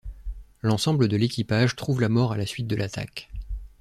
L’ensemble de l'équipage trouve la mort à la suite de l'attaque.